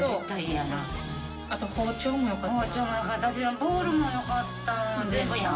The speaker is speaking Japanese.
あと包丁もよかったな。